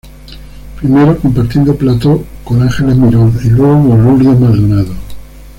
Primero compartiendo plató con Ángeles Mirón y luego con Lourdes Maldonado.